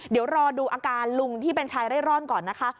เดี๋ยวรอดูอาการลุงที่เป็นชายเร่ร่อนก่อนนะคะ